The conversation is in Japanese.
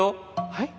はい？